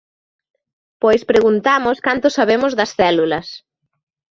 Pois preguntamos canto sabemos das células.